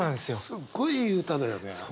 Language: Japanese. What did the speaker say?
すっごいいい歌だよね。